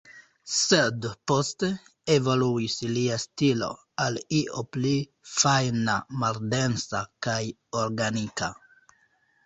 Sed poste, evoluis lia stilo, al io pli fajna, maldensa, kaj organika.